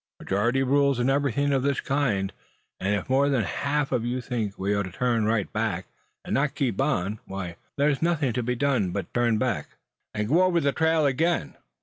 Majority rules in everything of this kind; and if more than half of you think we ought to turn right back, and not keep on, why, there's nothing to be done but turn about, and go over the trail again."